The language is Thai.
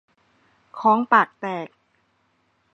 ฆ้องปากแตก